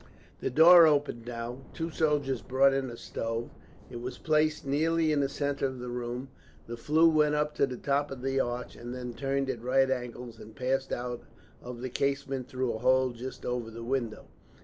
The door opened now. Two soldiers brought in a stove. It was placed nearly in the centre of the room. The flue went up to the top of the arch, and then turned at right angles, and passed out of the casemate through a hole just over the window.